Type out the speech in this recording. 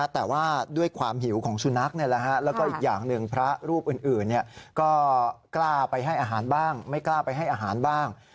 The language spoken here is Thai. แต่ว่าด้วยความหิวของสุนัขแล้วก็อีกอย่างหนึ่งพระรูปอื่นก็กล้าไปให้อาหารบ้างไม่กล้าไปให้อาหารบ้าง